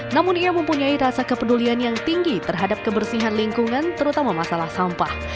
namun ia mempunyai rasa kepedulian yang tinggi terhadap kebersihan lingkungan terutama masalah sampah